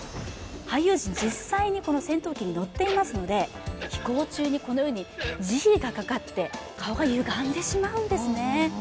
俳優陣、実際にこの戦闘機に乗っていますので飛行中にこのようにＧがかかって、顔がゆがんでしまうんですね。